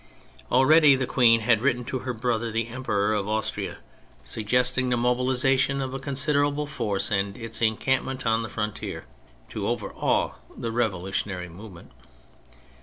Already the Queen had written to her brother, the Emperor of 110 THE FRENCH REVOLUTION Austria, suggesting the mobilisation of a considerable force, and its encampment on the frontier, to overawe the revolutionary movement.